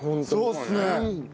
そうっすね！